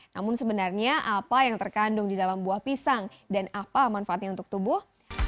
namun sebenarnya apa yang terkandung di dalam buah pisang dan apa manfaatnya untuk tubuh